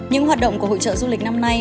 những hoạt động của hội trợ du lịch năm nay